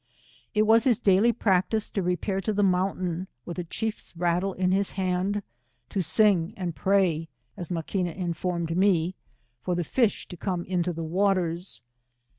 It was his daily practice to repair to the mountain, with a chief's rattle in his hand, to sing and pray, as Maquina informed me, for the fish to come into their waters.